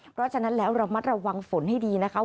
เพราะฉะนั้นแล้วระมัดระวังฝนให้ดีนะคะ